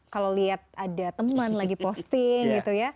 kalau lihat ada teman lagi posting